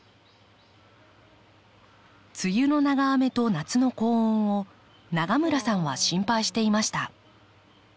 梅雨の長雨と夏の高温を永村さんは心配していました。